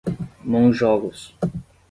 Monjolos